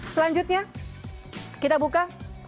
selanjutnya kita buka